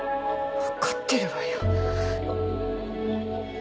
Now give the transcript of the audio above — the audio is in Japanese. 分かってるわよ。